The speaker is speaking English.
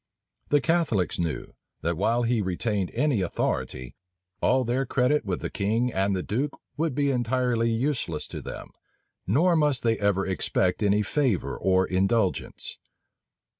The Catholics knew, that while he retained any authority, all their credit with the king and the duke would be entirely useless to them, nor must they ever expect any favor or indulgence.